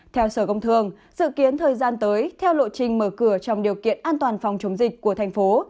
theo sở công thương dự kiến thời gian tới theo lộ trình mở cửa trong điều kiện an toàn phòng chống dịch của thành phố